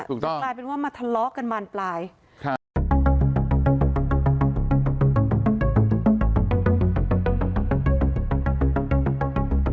ถูกต้องมันกลายเป็นว่ามาทะเลาะกันบานปลายค่ะ